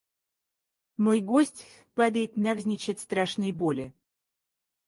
Мой гость падает навзничь от страшной боли.